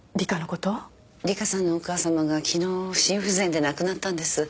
里香さんのお母さまが昨日心不全で亡くなったんです。